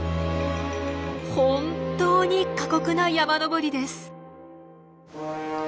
本当に過酷な山登りです。